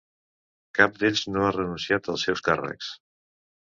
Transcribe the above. Cap d’ells no ha renunciat als seus càrrecs.